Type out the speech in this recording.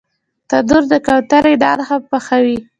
تنور د کوترې نان هم پخوي